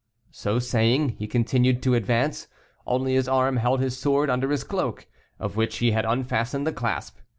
'" So saying, he continued to advance, only his arm held his sword under his cloak, of which he had unfastened the clasp.